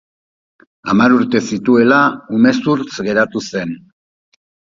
Hamar urte zituela, umezurtz geratu zen.